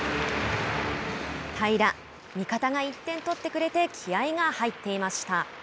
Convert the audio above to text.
平良、味方が１点取ってくれて気合いが入っていました。